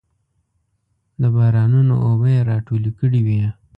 د بارانونو اوبه یې راټولې کړې وې.